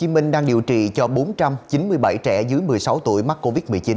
hiện tại tp hcm đang điều trị cho bốn trăm chín mươi bảy trẻ dưới một mươi sáu tuổi mắc covid một mươi chín